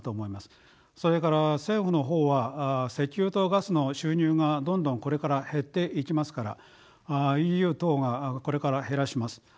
それから政府の方は石油とガスの収入がどんどんこれから減っていきますからＥＵ等がこれから減らします。